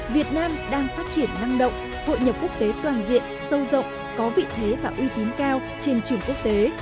việt nam đang phát triển năng động hội nhập quốc tế toàn diện sâu rộng có vị thế và uy tín cao trên trường quốc tế